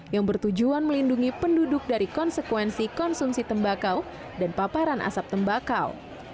yang bertujuan melindungi penduduk dari konsekuensi konsumsi tembakau dan paparan asap tembakau